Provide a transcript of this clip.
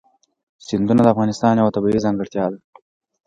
سیندونه د افغانستان یوه طبیعي ځانګړتیا ده.